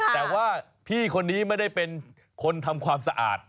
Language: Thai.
แต่ว่าพี่คนนี้ไม่ได้เป็นคนทำความสะอาด